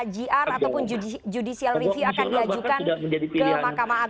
gr ataupun judicial review akan diajukan ke mahkamah agung